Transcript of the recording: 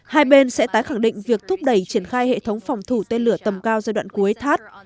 hai bên sẽ tái khẳng định việc thúc đẩy triển khai hệ thống phòng thủ tên lửa tầm cao giai đoạn cuối thắt